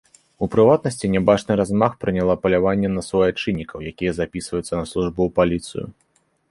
У прыватнасці, нябачаны размах прыняла паляванне на суайчыннікаў, якія запісваюцца на службу ў паліцыю.